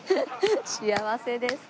「幸せですか？」。